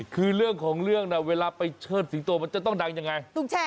คือเรื่องของเรื่องนะเวลาไปเชิดสิงโตมันจะต้องดังยังไง